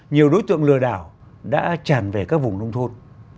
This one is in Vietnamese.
nhiều đối tượng lừa đảo đã tràn về các vùng nông thôn